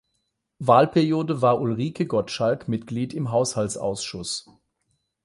Wahlperiode war Ulrike Gottschalck Mitglied im Haushaltsausschuss.